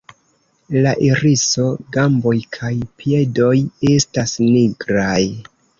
La iriso, gamboj kaj piedoj estas nigraj.